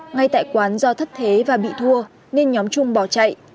ngay tại quán do thất thế và bị thua nên nhóm trung bỏ chạy